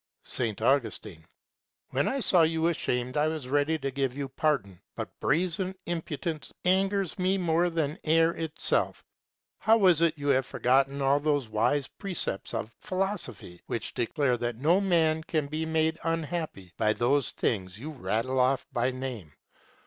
S. Augustine. When I saw you ashamed I was ready to give you pardon, but brazen impudence angers me more than error itself. How is it you have forgotten all those wise precepts of Philosophy, which declare that no man can be made unhappy by those things you rattle off by name?